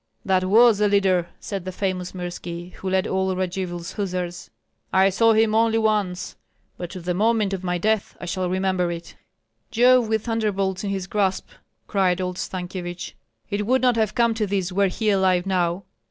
"That was a leader!" said the famous Mirski, who led all Radzivill's hussars. "I saw him only once, but to the moment of my death I shall remember it." "Jove with thunderbolts in his grasp!" cried old Stankyevich. "It would not have come to this were he alive now!"